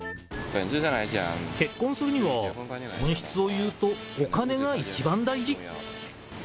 結婚するには、本質を言うとお金が一番大事。